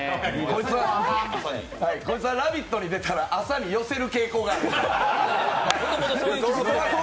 こいつは「ラヴィット！」に出たら朝に寄せる傾向があるので。